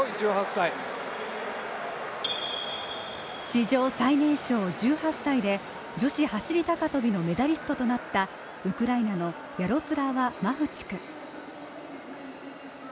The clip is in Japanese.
史上最年少１８歳で、女性走り高跳びのメダリストとなったウクライナのヤロスラワ・マフチク。